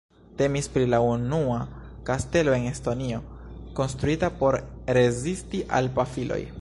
Temis pri la unua kastelo en Estonio konstruita por rezisti al pafiloj.